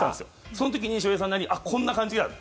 その時に翔平さんなりにあっ、こんな感じだ